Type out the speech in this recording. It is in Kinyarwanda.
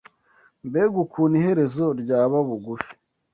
Mbega ukuntu iherezo ryaba bugufi